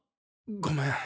ごめん。